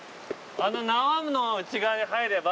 あの縄の内側に入れば。